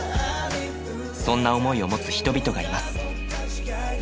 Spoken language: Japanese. そんな思いを持つ人々がいます。